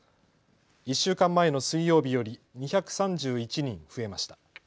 １週間前の水曜日より２３１人増えました。